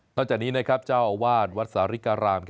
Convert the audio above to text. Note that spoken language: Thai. นอกจากนี้นะครับเจ้าอวานวัดสาริการาม